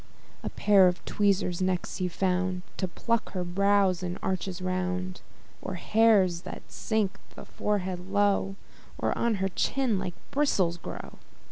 A pair of tweezers next he found, To pluck her brows in arches round; Or hairs that sink the forehead low, Or on her chin like bristles grow.